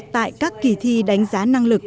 tại các kỷ thi đánh giá năng lực